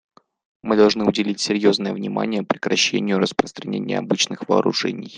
Мы должны уделить серьезное внимание прекращению распространения обычных вооружений.